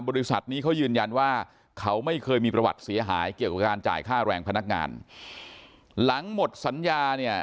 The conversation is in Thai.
บริษัทนี้เขายืนยันว่าเขาไม่เคยมีประวัติเสียหายเกี่ยวกับการจ่ายค่าแรงพนักงานหลังหมดสัญญาเนี่ย